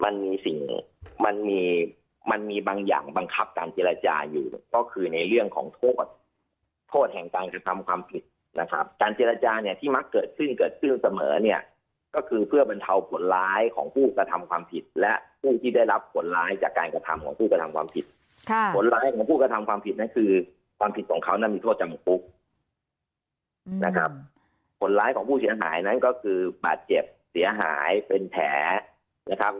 โทษแห่งการกระทำความผิดนะครับการเจรจาเนี่ยที่มักเกิดขึ้นเกิดขึ้นเสมอเนี่ยก็คือเพื่อบรรเทาผลร้ายของผู้กระทำความผิดและผู้ที่ได้รับผลร้ายจากการกระทำของผู้กระทำความผิดค่ะผลร้ายของผู้กระทำความผิดนั้นคือความผิดของเขานั้นมีโทษจำกุ๊กนะครับผลร้ายของผู้เสียหายนั้นก็คือบาดเจ็บเสียหายเป็